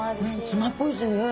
ツナっぽいですね。